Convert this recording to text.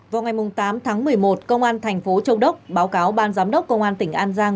vào ngày tám tháng một mươi một công an thành phố châu đốc báo cáo ban giám đốc công an tỉnh an giang